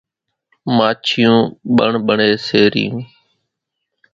ماڇِيوُن ٻڻٻڻيَ سي ريون۔